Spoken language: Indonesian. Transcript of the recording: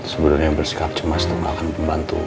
sebenarnya bersikap cemas itu gak akan membantu